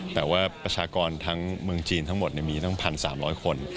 แต่ว่าประชากรทั้งเมืองจีนทั้งหมดมีตั้ง๑๓๐๐คน